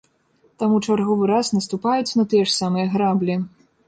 Таму чарговы раз наступаюць на тыя ж самыя граблі.